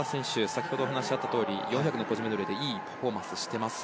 先ほど、お話があったとおり４００の個人メドレーでいいパフォーマンスをしてます。